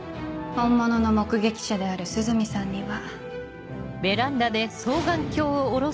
本物の目撃者である涼見さんには。